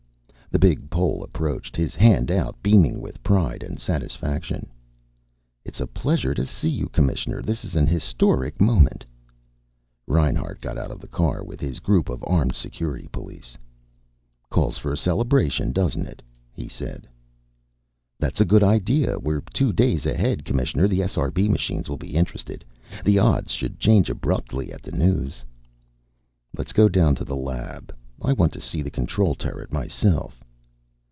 The big Pole approached, his hand out, beaming with pride and satisfaction. "It's a pleasure to see you, Commissioner. This is an historic moment." Reinhart got out of the car, with his group of armed Security police. "Calls for a celebration, doesn't it?" he said. "That's a good idea! We're two days ahead, Commissioner. The SRB machines will be interested. The odds should change abruptly at the news." "Let's go down to the lab. I want to see the control turret myself."